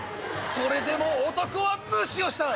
［それでも男は無視をした。